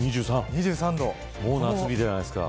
もう夏日じゃないですか。